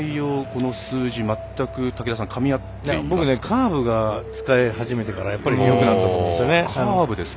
この数字、まったく僕カーブが使い始めてからやっぱりよくなったと思いますね。